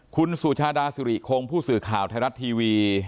คุณสุชาดาสุริคงผู้สื่อข่าวไทยรัฐทีวี